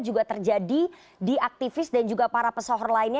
juga terjadi di aktivis dan juga para pesohor lainnya